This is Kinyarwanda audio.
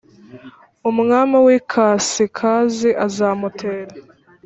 umwami w ikasikazi azamutera